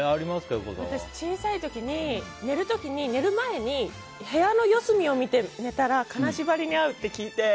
私、小さい時に寝る時に寝る前に部屋の四隅を見たら金縛りに遭うって聞いて。